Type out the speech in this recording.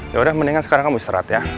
yaudah mendingan sekarang kamu istirahat ya